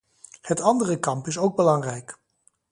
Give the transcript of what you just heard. Het andere kamp is ook belangrijk.